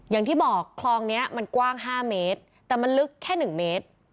อย่างที่บอกคลองนี้มันกว้าง๕เมตรแต่มันลึกแค่๑เมตร